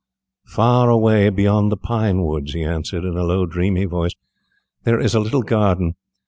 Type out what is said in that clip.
'"] "Far away beyond the pine woods," he answered, in a low, dreamy voice, "there is a little garden.